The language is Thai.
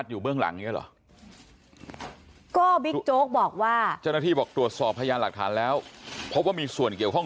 เจ้าหน้าที่บอกตรวจสอบพยานหลักฐานแล้วเพราะว่ามีส่วนเกี่ยวข้อง